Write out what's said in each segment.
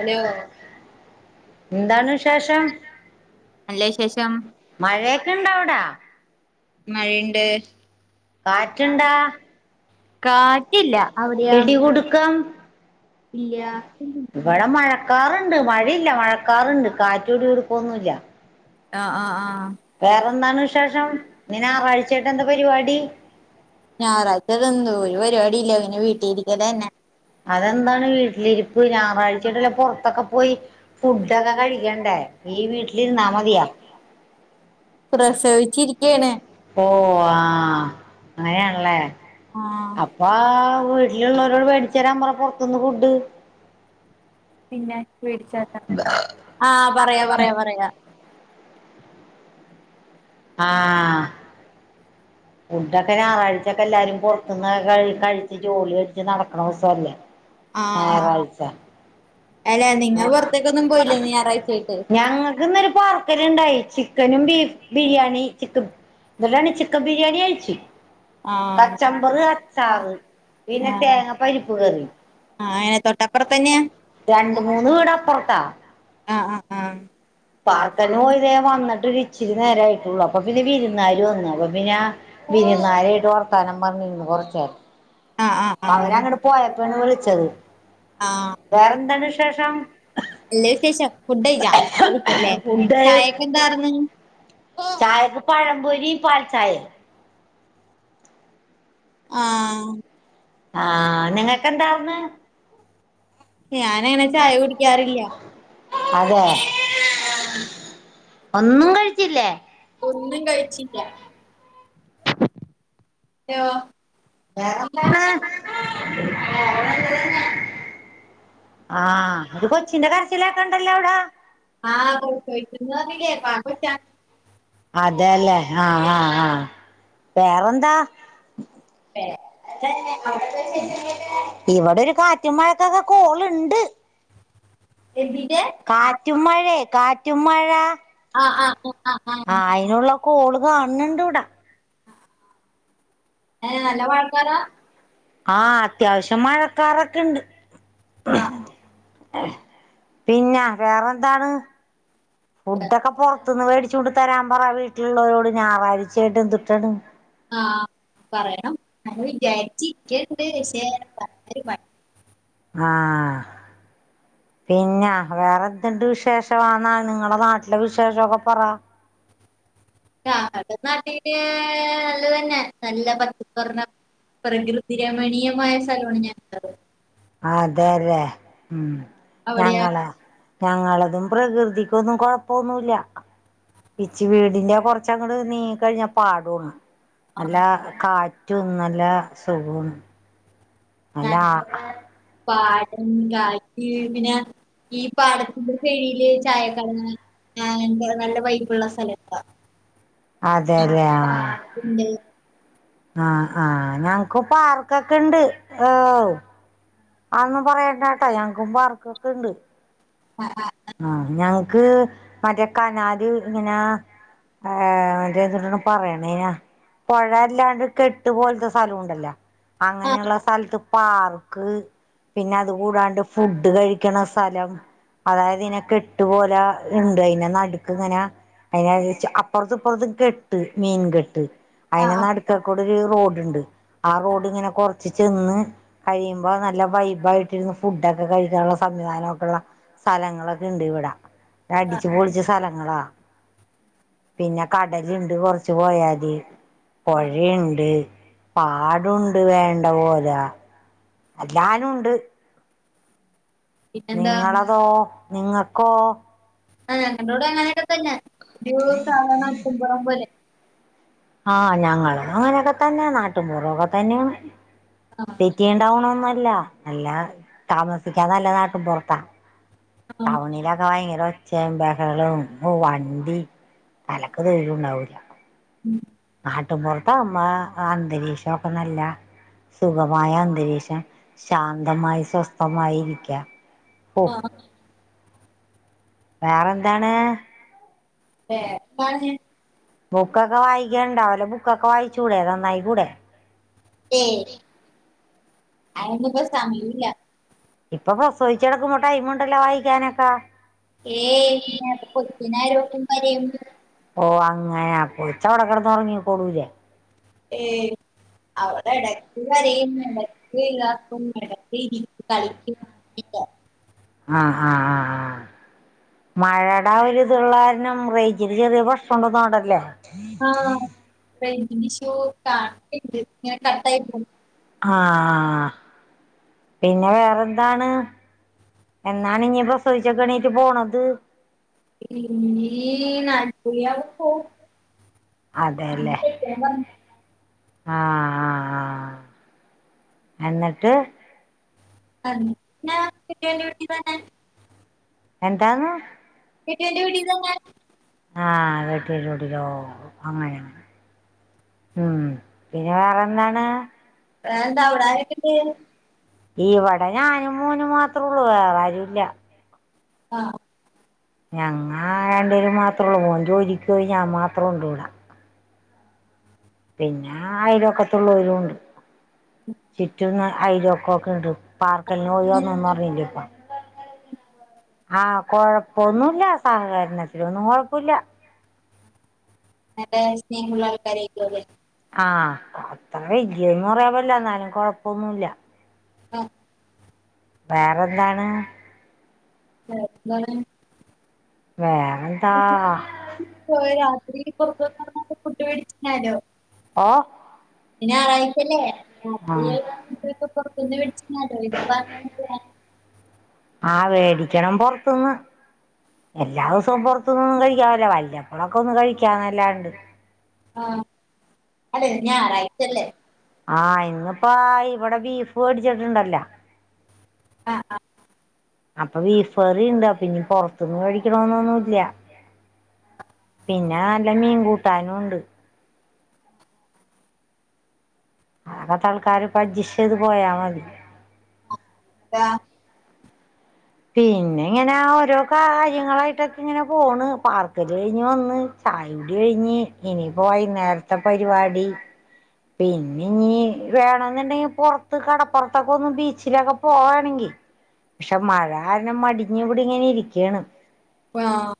Hello എന്താണ് വിശേഷം നല്ല വിശേഷം മഴയൊക്കെ ഇണ്ട അവിടാ മഴയുണ്ട് കാറ്റുണ്ടാ കാറ്റുണ്ടോ കാറ്റില്ല അവിടെയാ പിടികൊടുക്കം ഇല്ല ഇവിടെ മഴക്കാറുണ്ട് മഴയില്ല മഴക്കാറുണ്ട് കാറ്റോടി ഇടുപ്പൊന്നുമല്ല ആ ആ ആ വേറെന്താണ് വിശേഷം നിന ഞായറാഴ്ചട്ട് എന്താ പരിപാടി ഞായറാഴ്ച എന്തും ഒരു പരിപാടില്ല അങ്ങനെ വീട്ടില ഇരിക്കല തന്നെ അതെന്താണ് വീട്ടിലിരിപ്പ് ഞായറാഴ്ചട്ടല്ല പുറത്തൊക്കെ പോയി ഫുഡൊക്കെ കഴിക്കണ്ടേ ഈ വീട്ടിലിരുന്നാ മതിയാ പ്രസവിച്ചിരിക്കയാണ് ഓ ആ മഴ ണല്ലേ ആഹ് അപ്പാ ട്ടുള്ളോരോട് ള്ളവരോട് മേടിച്ചരാ പറ പുറത്തുന്ന് ഫുഡ് പിന്നെ വിടിച്ചട്ട ആഹ പറയാ പറയാ പറയാ ആഹ ഫുടൊക്കെ ഞായറാഴ്ച ഒക്കെ എല്ലാരും പുറത്തുന്ന് ക കഴിച്ചച്ച് ജോലി അടിച്ച് നടക്കണ ദിവസല്ലേ ആഹ് ഞായറാഴ്ച അല്ല നിങ്ങ പുറത്തേക്കൊന്നും പോയില്ലേ ഞായറാഴ്ചയായിട്ട് ഞാങ്ങക്ക് ഇന്നരു പറ ണ്ടായി ചിക്കനും ബിരിയാണി പത്തൊമ്പത് ചൻ ഇിട്ടാണ് ചിക്കൻ ബിരിയാണി അഴിച്ചു ആഹ് കച്ചമ്പറ് കച്ചാറ് പിന്നെ തേങ്ങ പരിപ്പ് കറി ആ രണ്ട് മൂന്ന് വീടാ അപ്പോർത്താ ആഹ് ആഹ ആഹ പാർക്കന പോ ഇതേ വന്നിട്ട് ഇച്ചിരി നേര ആയിട്ടുള്ളൂ അപ്പ പിന്നെ വിരുന്നരു വന്ന അപ്പ പിന്ന വിരുന്നേരയിട്ട് വർത്താനം പറഞ്ഞിന്ന് കൊറച്ചേ ആ ആ ആ വിളിച്ചത് വേറെന്താണ് വിശേഷം എ വിശേഷം ഫുഡ്‌ കൈച്ചോ ഫുഡ് ചായക്കെ എന്താന്ന് ചായക്ക് പഴംപൊരിയും പാൽചായയും ആഹ നിങ്ങക്കെന്താർന്ന് അതെ ഞാനങ്ങനെ ചായ കുടിക്കാറില്ല ഉ ഒന്നും കഴിച്ചില്ലേ ഒന്നും കഴിച്ചില്ല [unintelligible] വേറെന്ത ആ അത് കൊച്ചിന്റെ കരച്ചിലക്കണ്ടല്ലേ അവിടെ ആഹ് അ ആ ആ വേറന്താ അതന്നെ അവടെന്താ ചെയ്ണെ ന്നട്ട് ഇവിടെ ഒരു കാറ്റും മഴക്കൊക്കെ കോള്ണ്ട് കാറ്റും മഴേ കാറ്റും മഴ അഹ് ആഹ് അ ആഹ് കോള് കാണ്‌ണ്ട് വിടെ ഏ ല്ല മഴക്കാറാ മഴക്കാറൊക്കെണ്ട് അ പിന്നെ വേറെന്താണ് ഫുഡൊക്കെ പൊർ ത്ത്ന്ന് മേടിച്ചുകൊണ്ട് തരാൻ പറ വീട്ടിലുള്ളോരോട് ഞായറായ്ച്ചായ്ട്ട് ന്തുട്ടാണ് ആ പറയണം അങ്ങനെ വിചാരിച്ച് കേണ്ട് ശേ പ്ര [unintelligible] ആ പിന്നെ വേറെന്ത്ണ്ട് വിശേഷമാന്നാണ് നിങ്ങളെ നാട്ടിലെ വിശേഷൊക്കെ പറ ഞങ്ങടെ നാട്ടില് [unintelligible] അതെ തെ ഉം അവിടെയാ ഞങ്ങളാ? ഞങ്ങളതും പ്രകൃതിക്കൊന്നും കൊഴപ്പൊന്നൂല്ല പിച്ച് വീടിന്റെ കുറച്ചങ്ങട് നീങ്ങി കഴിഞ്ഞാ പാടോണ് അല്ല കാ ഏറ്റവും നല്ല സുഖോണ് [unintelligible] [unintelligible] നല്ല ഈ പാടത്തിന്റെ സൈഡ്ല് ചായക്ക ആ [unintelligible] നല്ല വൈബുള്ള സ്ഥലങ്ങളാ അതെ അതെ ആഹ് ആ ആ ഞങ്ങ്ക് പാർകൊക്കെ ണ്ട് ആ ആന്നും പറയണ്ടാട്ടാ ഞങ്ങക്കും പാർകൊക്കെ ണ്ട് ആഹ് ആ ആ ഞങ്ങ്ക്ക് മറ്റേ കനാല് ഇങ്ങനെ ഏ മറ്റേട്ട പറയണയാ പുഴല്ലാണ്ട് കെട്ട് പോലത്തെ സ്ഥലംണ്ടല്ലോ അങ്ങനെയുള്ള സ്ഥലത്ത് പാർക്ക് പിന്നെ അത് കൂടാണ്ട് ഫുഡ് കഴിക്കണ സ്ഥലം അതായത് ഇതിനെ കെട്ട് പോലെ ഉണ്ട് അതിനെ നടുക്ക് ഇങ്ങനെ അതിനെ അപ്പുറത്തും ഇപ്പുറത്തും കെട്ട് മീൻ കെട്ട് അയിന് നടുക്ക് ഒരു റോഡ്ണ്ട് ആ റോഡ് ഇങ്ങനെ കൊറച്ച് ചെന്ന് കഴിയുമ്പോ നല്ല വൈബായിട്ടിരുന്ന് ഫുഡ ഒക്കെ കഴിക്കാനുള്ള സംവിധാനം ഒക്കെെയുള്ള സ്ഥലങ്ങളൊക്കെ ഉണ്ട് ഇവിട അടിച്ചു പൊളിച്ചു സ്ഥലങ്ങളാ പിന്നെ കടലുണ്ട് കുറച്ച് പോയാല് പുഴയുണ്ട് പാടുണ്ട് വേണ്ട പോലെ അല്ലഞാനുംണ്ട് പിന്നെന്താ നിങ്ങളതോ നിങ്ങൾക്കോ [unintelligible] ഇ സാധണക്കുമ്പുമ പോലെ ആഹ ഞങ്ങ അങ്ങനെയൊക്കെ തന്നെയ നാട്ടുമപൂറൊക്കെ തന്നെയാണ് [unintelligible] നല്ല നല്ല താമസിക്കാ നല്ല നാട്ടും പുറത്താ ടൗണിലൊക്കെ വാങ്ങ ഒച്ചയും ബെഹളവും ഒ വണ്ടി തലക്ക് സ്വയര്യം ഉണ്ടാവൂല ഉം നാട്ടൻപുറത്ത അമ്മ അന്തരീക്ഷംക്കെ നല്ല സുഖമായ അന്തരീക്ഷം ശാന്തമായി സ്വസ്ഥമായി ഇരിക്കാം ആഹ വേറെ എന്താണ് വേറെ കാര്യം ബുക്കൊക്കെ വായിക്കുണ്ടാവല്ലെ ബുക്കൊക്കെ വായിച്ചകൂടെ നന്നായി കൂടെ ഏ അനക്ക് ഇപ്പ സമയില്ല ഇപ്പൊ പ്രസവദിച്ചെടുക്കുമ്പോ ടൈമുണ്ടല്ലോ വായിക്കാനൊക്കെ ഏയ്ന്ന പൊക്കിനാലോക്കും കര ഓ അങ്ങനാ പോച്ചവിടെ കടന്ന്റങ്ങി കൊടുലേ ഏ അവടെ ഇടയ്ക്ക് അരുന്ന ഇടക്കല്ല [inaudible] [unintelligible] [unintelligible] [inaudible] ആഹ് ആഹ് ആ് ആ മഴയുടൊവല ഇതള്ള കാരണം റേഞ്ച് ചെറിയ പ്രശ്നം ഉണ്ടോന്നടല്ലേ ആ പിഷോ കാണണ്ട് നി കറത്ത ആായി ആഹ പിന്നെ വേറെന്താണ് എന്നാണ് ഇനി പ്രസവദിച്ചൊക്ക എണീട്ട് പോണത് ീ ന കുന്ന് പോ അതേയല്ലേ ആഹ് ആഹ് ആഹ് എന്നിട്ട് [unintelligible] എന്താണ് [unintelligible] ആഹ് [unintelligible] അങ്ങനങ്ങനെ ഉം പിന്നെ വേറെന്താണ് വേ റെന്താ അവിടെ ആരൊക്കെയുണ്ട് ഇവടെ ഞാനും മോനും മാത്രം ഉള്ളൂ വേറാരും ഇല്ല ആഹ് ഞങ്ങ രണ്ട് പേരും മാത്രേ ഉള്ളൂ മോൻ ജോലിക്ക് പോയി ഞാൻ മാത്രം ഉണ്ട് ഇവിടെ പിന്നെ അയലോക്കത്തുള്ളവരും ഉണ്ട് ചുറ്റും അയലോക്കം ഒക്കെ ഉണ്ട് [unintelligible] ഞാൻ പറഞ്ഞില്ലേ ഇപ്പോ ആഹ് കൊഴപ്പവൊന്നുമില്ല സഹകരണത്തിനൊന്നും കൊഴപ്പവില്ല നല്ല സ്നേഹമുള്ള ആൾക്കാരായിക്കും അല്ലേ ആഹ് അത്ര വെല്ല്യതെന്ന് പറയാൻ ഒന്നുമില്ല എന്നാലും കൊഴപ്പവൊന്നുമില്ല ആഹ് വേറെന്താണ് വെറെന്താണ് വേറെന്താ പോ രാത്രി കൊ [unintelligible] പിന്നെ ഓ ഞാറായിച്ചല്ലേ ആഹ് [unintelligible] ആഹ് വേടിക്കണം പൊറത്തുന്ന് എല്ലാ ദിവസവും പുൊറത്തന്നൊന്നും കഴിക്കാല്ല വല്ലപ്പളൊക്കെ ഒന്ന് കഴിക്കന്നല്ലാണ്ട് ആഹ. അല്ലെ ഞായറാഴ്ച്ചല്ലേ ആഹ് ഇന്നിപ്പോ ഇവിടെ ബീഫ് മേടിച്ചിട്ടുണ്ടല്ലോ ആഹ് ആഹ് അപ്പൊ വീഫറിയുണ്ട് പിന്നീ പുൊറത്തുന്ന് കഴിക്കണന്നൊന്നുംല്ല പിന്നെ നല്ല മീൻ കൂട്ടാനും ഉണ്ട് അകത്തെ ആൾക്കാര് അട്ജസ്റ്റ് പോയാ മതി പിന്നെ ഇങ്ങനെ ഓരോ കാര്യങ്ങളായിട്ടൊക്കെ ഇങ്ങനെ പോണ് പാർക്കല് കഴിഞ്ഞ് വന്ന് ചായ കുടി കഴിഞ്ഞ് ഇനി വൈന്നേരത്തെ പരിപാടി പിന്നെ ഞ്ഞി വേണന്നുണ്ടെങ്കിൽ പുറത്ത് കടപ്പുറത്തൊക്കെ ഒന്ന് ബീച്ചിലൊക്കെ പോവാണെങ്കി പക്ഷെ മഴാരനെ മടിഞ്ഞ ഇവിടി ഇങ്ങനെ ഇരിക്കണ് ആഹ്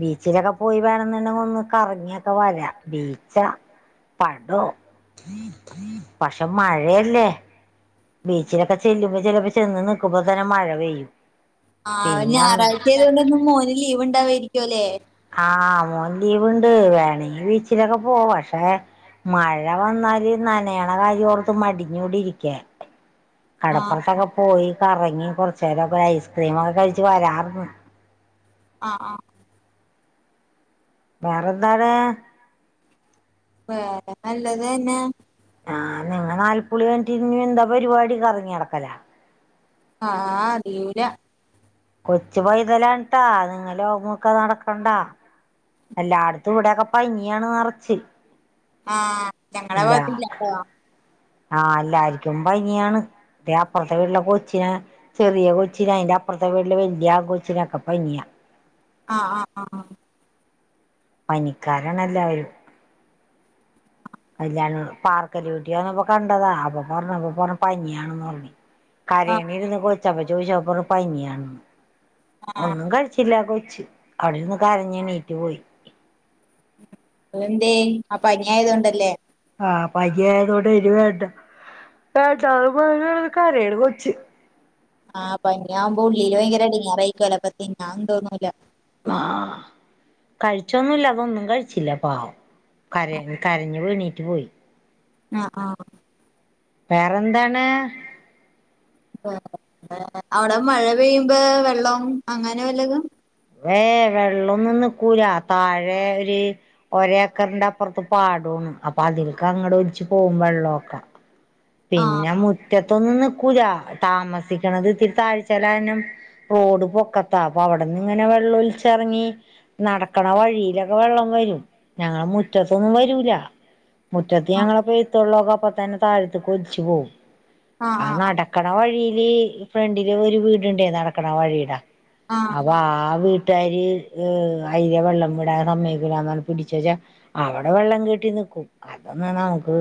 ബീച്ചിലൊക്കെ പോയി വേണംന്നുണ്ടെങ്കിൽ ഒന്ന് കറങ്ങിയൊക്കെ വരാ ബീച്ചാ പടോ പക്ഷെ മഴയല്ലേ ബീച്ചിലൊക്കെ ചെല്ലുമ്പോ ചെിലപ്പോ ചെന്ന് നക്കുമ്പോ തന്നെ മഴ പെയ്യും ആഹ് പിന്നെ ഞായറാഴ്ച ആയത കൊണ്ട് ഒും മോന് ലീവ് ഉണ്ടാവയിരി ക്കുല്ലേ ആഹ് മോൻ ലീവ്ണ്ട് വേണെങ്കഈ വീച്ചിലൊക്കെ പോ പക്ഷെ മഴ വന്നാല് നനയണ കാര്യം ഓർത്ത് മടിഞ്ഞൂടി ഇരിക്ക ആ കടപ്പുറത്തൊക്കെ പോയി കറങ്ങി കൊറ്ച്ചേരക്കെ ഐസ്ക്രീമൊക്കെ കഴിച്ച് വരാന്ന് അഹ് ആഹ് വേറെന്താണ് വേറെ നല്ലതെന്നെ ആഹ് നിങ്ങളെ നാൽപ്പുളി കഞ്ഞിട്ടി ഇന്ന്യഎന്താ പരിപാടി കറങ്ങ്യട്ക്കലാ ആ അറിയൂല കൊച്ചു പോയതലണിട്ടാ നിങ്ങ ഓങ്ങക്കെ നടക്കണ്ടാ എല്ലായിടത്തും ഇവിടെക്കെ പനിയാണ് നെറച്ച്- ആഹ് ഞങ്ങടെ ഭാഗത്തില്ല ട്ടോ- ആഹ എല്ലാർക്കും പനിയാണ് അപ്പുറത്തെ വീട്ടില കൊച്ചിനാ ചെറിയ കൊച്ചിന അയിൻറെ അപ്പുറത്തെ വീട്ടില് വല്യ ആൺ കൊച്ചിനൊക്കെ പനിയാ ആഹ ആഹ് ആഹ് പനിക്കാരണല്ലാവരും- കല്യാണപാർക്കല്ലൂവീട്ടിയന്നപ്പൊ കണ്ടതാ അപ്പൊ പറഞ്ഞപ്പൊ പറഞ്ഞ പനിയാണ പറഞ്ഞ്- ആ കരയണേരുന്ന് കൊ ച്ച് ചോിച്ചപ്പറ പനി അണ്- ഒന്നും കഴിച്ചില്ല കൊ- ച്ച് അവിടിര്ന്ന് കരഞ്ഞണീറ്റ് പോയി- എന്തേ? ആ പനി ആയതോണ്ടല്ലേ? ആഹ് പനി ആയതുകൊണ്ട് അതിനി വേണ്ട വേണ്ടാന്നും പറഞ്ഞ് കരയണ് കൊച്ച്- ആഹ് പനി ആവുമ്പോ ഉള്ളിയില് ഭയങ്കര എടങ്ങേറാരിക്കൂലോ അപ്പ തിന്നാ തോന്നുല്ല- ആ കഴിച്ചൊന്നുല്ല അതൊന്നും കഴിച്ചില്ല പാവ കര കരഞ്ഞ് എണീട്ട് പോയി ആഹ് ആ വേറെന്താണ്? അവിടെ മഴ പെയ്യുമ്പോ വെള്ളം അങ്ങനെ വല്ലതും? വേ വെള്ളൊന്നും നിക്കൂല താഴെ ഒരു ഒരേക്കറിന്റെ അപ്പുറത്ത് പാടണ് അപ്പൊ അതിൽക്ക അങ്ങടെ ഒലിച്ചച്ച് പോവും വെള്ളൊക്കെ- ആ പിന്നെ മുറ്റ- മുറ്റത്തൊന്നും നിക്കൂല താമസിക്കണത് ഇത്തിരി താഴ്ചാലനം റോഡ് പൊക്കത്താ അപ്പൊ അവിടന്ന് ഇങ്ങനെ വെള്ളൊലിച്ചിറങ്ങി നടക്കണ വഴിയിലൊക്കെ വെള്ളം വരും ഞങ്ങള മുറ്റത്തൊന്നും വരൂല- മുറ്റത്ത് ഞങ്ങളപ്പഴ്- വെള്ളൊക്കെ അപ്പ തന്നെ താഴും- കൊച്ച് പോവും ആ നടക്കണ വഴി- ഈ ഫ്രണ്ടില് ഒരു വീടുണ്ടേ നടക്കണ വഴിയടെ- ആ അവ്വ ആ വീട്ട് കൂട്ടാര് ഏ അതില വെള്ളം വിടാൻ സമ്മതിക്കൂല അവര് പിടിച്ച വച്ചാ അവിടെ വെള്ളം കെട്ടി നിക്കും അതൊന്നും നമുക്ക്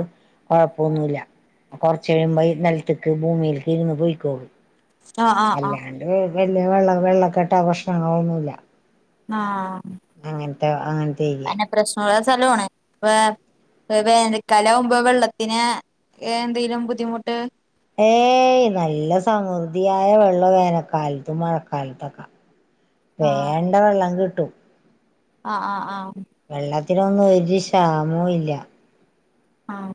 കൊഴപ്പൊന്നുമില്ല കൊറച്ച കഴുമ്പോ നിലത്തക്ക് ഭൂമിക്ക് ഇരുന്ന് പോയിക്കോളും- ആ ആ ആ അല്ലാണ്ട്- വല്യ വെള്ളം വെള്ളക്കെട്ടാ പ്രശ്നങ്ങളോ ഒന്നുല്ല- ആഹ് അങ്ങനത്തെ ആ അന്നെ പ്രശ്നഒള്ള സ്ഥലം ആണ്- വേർ വേനൽക്കാല ആവുമ്പം വെള്ളത്തിന് എന്തെങ്കിലും ബുദ്ധിമുട്ട് ഏയ് നല്ല സമൃദ്ധിയായ വെള്ളം വേനൽക്കാലത്തും മഴക്കാലത്തൊക്ക വേണ്ട വെള്ളം കിട്ട് ട്ടും അഹ് അഹ് ആഹ് വെള്ളം ത്തിനൊന്നും ഒരു ക്ഷാമോം ഇല്ല ആഹ്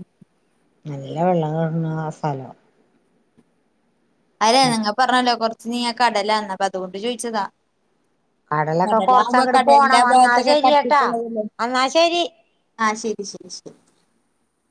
നല്ല വെള്ളം കാണുന്നാ ആ സ്ഥലം അല്ല നിങ്ങ പറഞ്ഞല്ലോ കൊറ് ന്നീ ആ കടലാന്ന അപ്പ അതുകൊണ്ട് ചോയ്ച്ചതാ കടലൊക്കെ കടലാവുമ്പോ കൊറച്ചങ്ങട് കടലിലാ പോണം എന്നാ ഭാഗ്ത്തൊക്കെ ശരിയേട്ടാ കട്ടിപ്പോള്ളതല്ലേ എന്നാ ശരി ആഹ് ശെരി ശെരി ശെരി